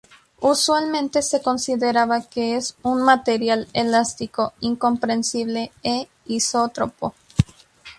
Usualmente se considera que es un material elástico incompresible e isótropo.